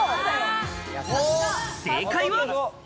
正解は。